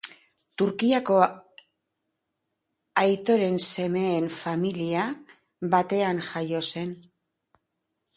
Turkiako aitoren semeen familia batean jaio zen.